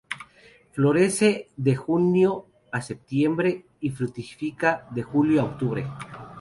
Florece de junio a septiembre y fructifica de julio a octubre.